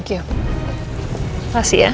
terima kasih ya